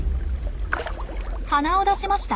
鼻を出しました。